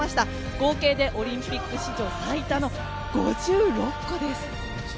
合計でオリンピック史上最多の５６個です。